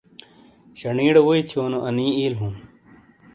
شنی ڑے ووئی تھیونو انی اِیل ہُوں۔